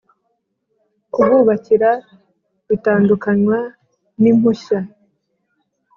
kububakira bitandukanywa n impushya